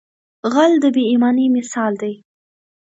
غل د بې ایمانۍ مثال دی